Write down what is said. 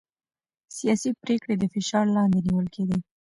سياسي پرېکړې د فشار لاندې نيول کېدې.